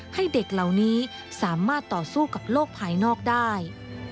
ให้เด็กเหล่านี้สามารถต่อสู้กับโลกภายนอกได้